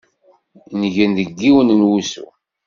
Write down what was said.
Ngen deg yiwen n wusu.